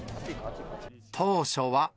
当初は。